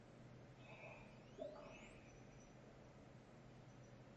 "O-Town" received mixed-to-negative reviews from critics.